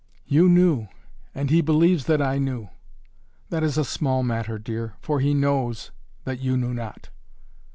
"You knew! And he believes that I knew!" "That is a small matter, dear. For he knows, that you knew not."